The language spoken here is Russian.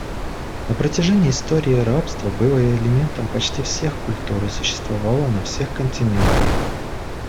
На протяжении истории рабство было элементом почти всех культур и существовало на всех континентах.